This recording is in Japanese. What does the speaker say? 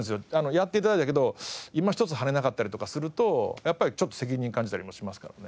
やって頂いたけど今一つ跳ねなかったりとかするとやっぱりちょっと責任感じたりもしますからね。